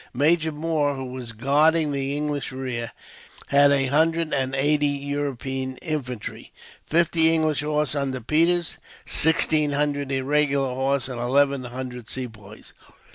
Major Moore, who was guarding the English rear, had a hundred and eighty European infantry; fifty English horse, under Peters; sixteen hundred irregular horse; and eleven hundred Sepoys.